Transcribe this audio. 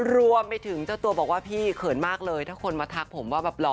รวมไปถึงเจ้าตัวบอกว่าพี่เขินมากเลยถ้าคนมาทักผมว่าแบบหล่อ